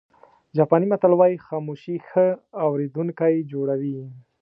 جاپاني متل وایي خاموشي ښه اورېدونکی جوړوي.